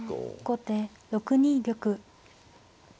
後手６二玉。